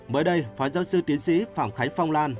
mới đây phó giáo sư tiến sĩ phạm khánh phong lan